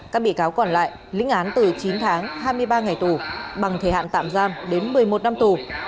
các bị cáo còn lại lĩnh án từ chín tháng hai mươi ba ngày tù bằng thời hạn tạm giam đến một mươi một năm tù